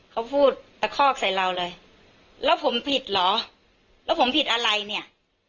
เขาพูดตะคอกใส่เราเลยแล้วผมผิดเหรอแล้วผมผิดอะไรเนี่ย